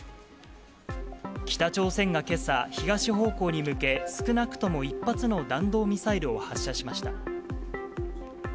北朝鮮がけさ、東方向に向け、少なくとも１発の弾道ミサイルを発射しました。